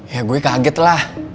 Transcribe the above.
ya gue kaget lah